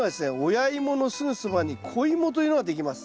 親イモのすぐそばに子イモというのができます。